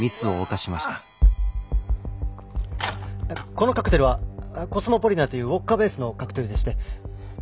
このカクテルはコスモポリタンというウォッカベースのカクテルでして。